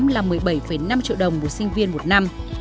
là một mươi bảy năm triệu đồng một sinh viên một năm